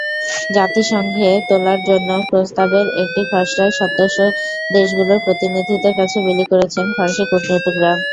জাতিসংঘে তোলার জন্য প্রস্তাবের একটি খসড়া সদস্যদেশগুলোর প্রতিনিধিদের কাছে বিলি করেছেন ফরাসি কূটনীতিকেরা।